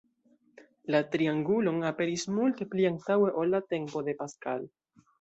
La triangulon aperis multe pli antaŭe ol la tempo de Pascal.